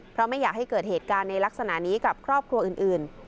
เพราะไม่อยากให้เกิดเหตุการณ์ในลักษณะนี้กับครอบครัวอื่น